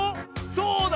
そうだ！